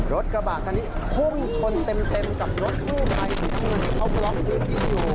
รถกระบะตอนนี้พุ่งชนเต็มกับรถกู้ไภที่เขาบล็อกพื้นที่อยู่